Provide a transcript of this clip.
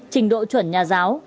trình độ chuẩn nhà giáo